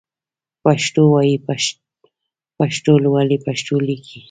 پښتو وايئ ، پښتو لولئ ، پښتو ليکئ